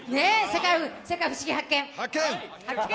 「世界ふしぎ発見！」発見！